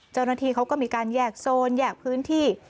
เจ้าหน้าที่เขาก็มีการแยกโซนแยกพื้นที่